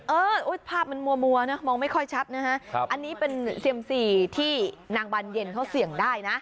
ภาพมันมัวนะมองไม่ค่อยชัดนะฮะอันนี้เป็นเซียมสี่ที่นางบานเย็นเขาเสี่ยงได้นะ